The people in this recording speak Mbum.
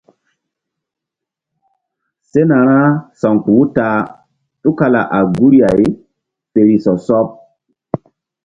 Sena ra sa̧wkpuh u ta a tukala a guri ay fe ri sɔ sɔɓ.